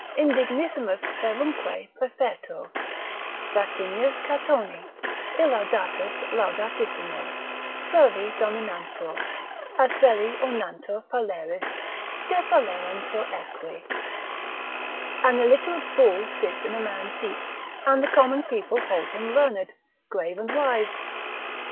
Indignissimus plerumque praefertur, Vatinius Catoni, illaudatus laudatissimo; ———servi dominantur; aselli Ornantur phaleris, dephalerantur equi. An illiterate fool sits in a man's seat, and the common people hold him learned, grave and wise.